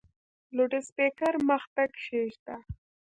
لوډسپیکران مخ ته کښېږده !